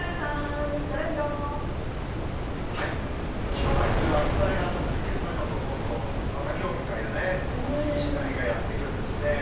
しばらく秋晴れが続いたかと思うと、またきょうみたいなね、すっきりしない日がやって来るんですね。